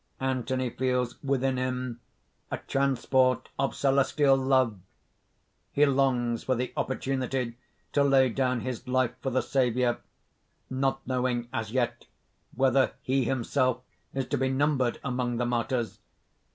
Anthony feels within him a transport of celestial love; he longs for the opportunity to lay down his life for the Saviour not knowing as yet whether he himself is to be numbered among the martyrs.